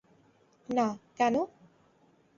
না, কেন?